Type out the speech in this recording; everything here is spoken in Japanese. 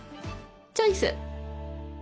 チョイス！